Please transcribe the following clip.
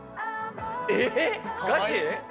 えっ？ガチ？